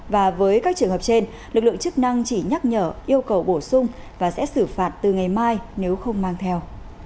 và với các trường hợp trên lực lượng chức năng chỉ nhắc nhở yêu cầu bổ sung và sẽ xử phạt từ ngày mai nếu không mang theo